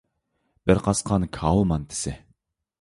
بىر قاسقان كاۋا مانتىسى.